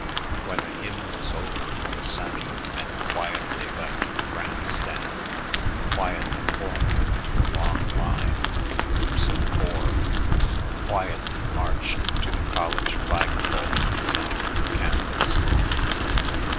When the hymn was over, the Sanford men quietly left the grand stand, quietly formed into a long line in groups of fours, quietly marched to the college flagpole in the center of the campus.